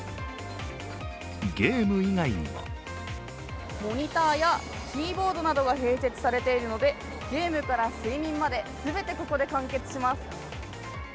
ゲーム以外にもモニターやキーボードなどが併設されているのでゲームから睡眠まで全てここで完結します。